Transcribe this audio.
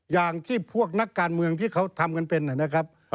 อย่างที่พวกนักการเมืองที่เขาทำกันเป็นนะครับ